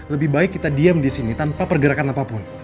lebih baik kita diem disini tanpa pergerakan apapun